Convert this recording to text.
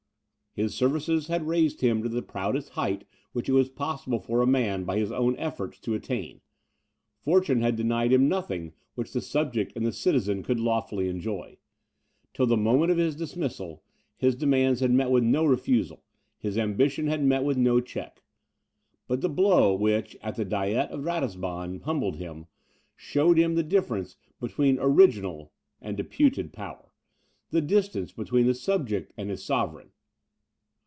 His services had raised him to the proudest height which it was possible for a man, by his own efforts, to attain. Fortune had denied him nothing which the subject and the citizen could lawfully enjoy. Till the moment of his dismissal, his demands had met with no refusal, his ambition had met with no check; but the blow which, at the diet of Ratisbon, humbled him, showed him the difference between ORIGINAL and DEPUTED power, the distance between the subject and his sovereign.